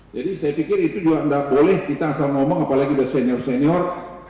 jadi saya pikir itu juga enggak boleh kita asal ngomong apalagi dari senior senior